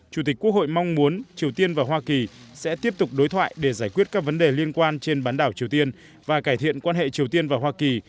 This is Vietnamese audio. chủ tịch quốc hội mong muốn triều tiên và hoa kỳ sẽ tiếp tục đối thoại để giải quyết các vấn đề liên quan trên bán đảo triều tiên và cải thiện quan hệ triều tiên và hoa kỳ